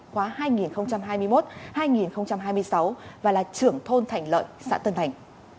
khóa hai nghìn hai mươi một hai nghìn hai mươi sáu và là trưởng thôn thành lợi xã tân thành